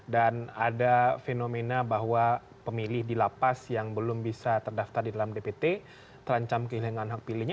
dan ada fenomena bahwa pemilih di lapas yang belum bisa terdaftar di dalam dpt terancam kehilangan hak pilihnya